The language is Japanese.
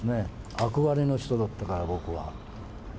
憧れの人だったから、僕は。